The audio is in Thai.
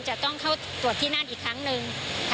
จะต้องเข้าตรวจที่นั่นอีกครั้งหนึ่ง